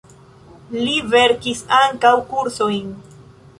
Li verkis ankaŭ kursojn.